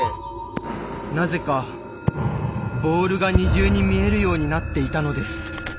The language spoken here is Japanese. なぜかボールが二重に見えるようになっていたのです。